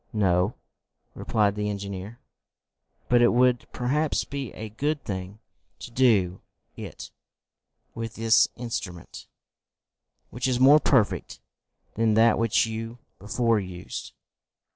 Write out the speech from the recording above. "No," replied the engineer "But it would perhaps be a good thing to do it with this instrument, which is more perfect than that which you before used."